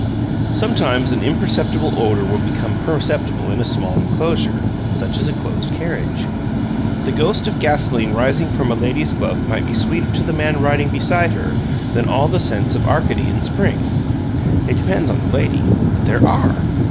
Sometimes an imperceptible odor will become perceptible in a small inclosure, such as a closed carriage. The ghost of gasoline rising from a lady's glove might be sweeter to the man riding beside her than all the scents of Arcady in spring. It depends on the lady but there ARE!